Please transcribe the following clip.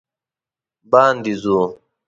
باندې ځو